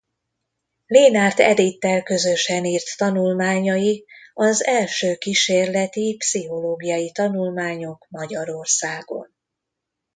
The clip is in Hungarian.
Lénárt Edittel közösen írt tanulmányai az első kísérleti pszichológiai tanulmányok Magyarországon.